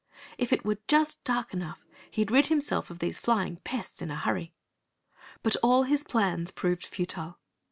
If it were just dark enough, he'd rid himself of these flying pests in a hurry. But all his plans proved futile.